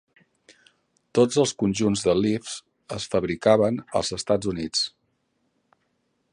Tots els conjunts de Leafs es fabricaven als Estats Units.